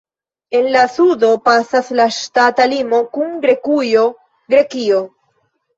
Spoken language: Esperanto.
En la sudo pasas la ŝtata limo kun Grekujo (Grekio).